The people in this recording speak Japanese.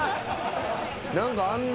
何かあんな。